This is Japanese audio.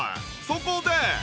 そこで